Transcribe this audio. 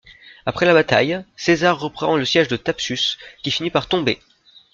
Après la bataille, César reprend le siège de Thapsus, qui finit par tomber.